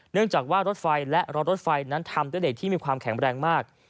เนื่องจากว่ารถไฟและรถรถไฟนั้นทำด้วยเหล็กที่มีความแข็งแรงมาก